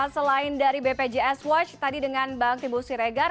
selain dari bpjs watch tadi dengan bang timbul siregar